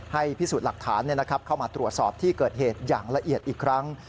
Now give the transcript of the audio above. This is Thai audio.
พิสูจน์หลักฐานเข้ามาตรวจสอบที่เกิดเหตุอย่างละเอียดอีกครั้ง